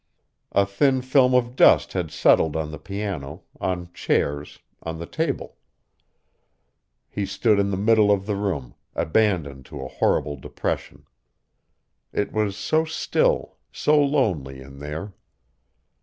A thin film of dust had settled on the piano, on chairs, on the table. He stood in the middle of the room, abandoned to a horrible depression. It was so still, so lonely, in there.